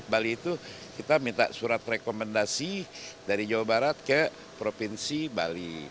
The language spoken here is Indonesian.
bali itu kita minta surat rekomendasi dari jawa barat ke provinsi bali